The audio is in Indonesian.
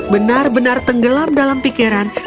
benar benar tenggelam dalam pikiran